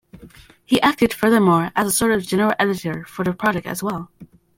He acted, furthermore, as a sort of general editor for the project as well.